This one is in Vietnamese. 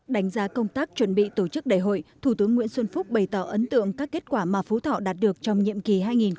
đánh giá công tác chuẩn bị tổ chức đại hội thủ tướng nguyễn xuân phúc bày tỏ ấn tượng các kết quả mà phú thọ đạt được trong nhiệm kỳ hai nghìn một mươi năm hai nghìn hai mươi